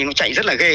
nó chạy rất là ghê